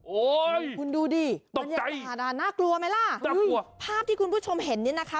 โอ้ยคุณดูดิตกใจค่ะน่ากลัวไหมล่ะน่ากลัวภาพที่คุณผู้ชมเห็นนี่นะคะ